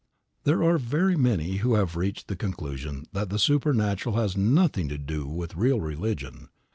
There are very many who have reached the conclusion that the supernatural has nothing to do with real religion.